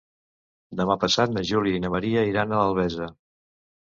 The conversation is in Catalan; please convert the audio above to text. Demà passat na Júlia i na Maria iran a Albesa.